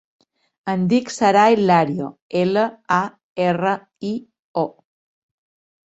Em dic Saray Lario: ela, a, erra, i, o.